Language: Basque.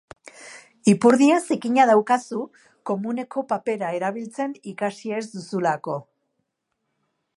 Ipurdia zikina daukazu komuneko papera erabiltzen ikasi ez duzulako.